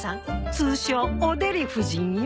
通称おデリ夫人よ。